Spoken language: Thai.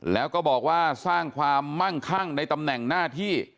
แล้วก็บอกว่าสร้างความมั่งคั่งในตำแหน่งหน้าที่